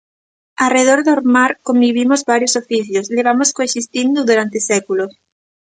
Arredor do mar convivimos varios oficios, levamos coexistindo durante séculos.